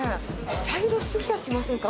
茶色すぎやしませんか？